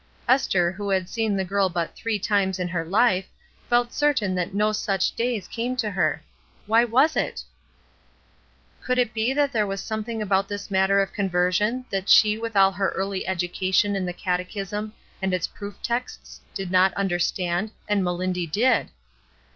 Esther, who had seen the girl but three times in her life, felt certain that no such days came to her. Why was it ? Could it be that there was something about this matter of conversion that she with all her early education in the catechism and its proof texts did not understand, and Melindy did!